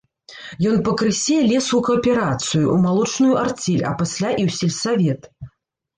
Ён пакрысе лез у кааперацыю, у малочную арцель, а пасля і ў сельсавет.